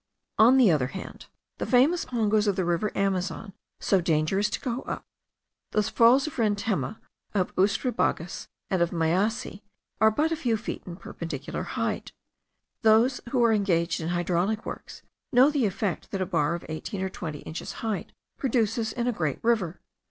On the other hand, the famous pongos of the river Amazon, so dangerous to go up, the falls of Rentema, of Escurrebragas, and of Mayasi, are but a few feet in perpendicular height. Those who are engaged in hydraulic works know the effect that a bar of eighteen or twenty inches' height produces in a great river.